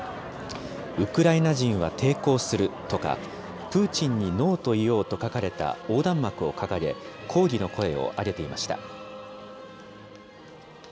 ウクライナ人は抵抗するとか、プーチンにノーと言おうと書かれた横断幕を掲げ、抗議の声を上げていました。